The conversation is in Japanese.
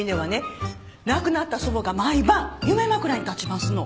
亡くなった祖母が毎晩夢枕に立ちますの。